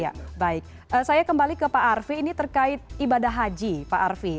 ya baik saya kembali ke pak arfi ini terkait ibadah haji pak arfi